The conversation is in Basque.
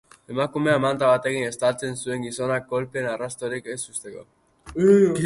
Emakumea manta batekin estaltzen zuen gizonak kolpeen arrastorik ez uzteko.